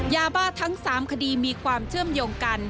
ยาบ้าทั้ง๓คดีมีความเชื่อมโยงกัน